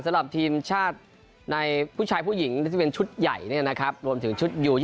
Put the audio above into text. สำหรับทีมชาติในผู้ชายผู้หญิง